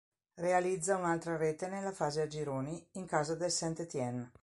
Realizza un'altra rete nella fase a gironi, in casa del Saint-Étienne.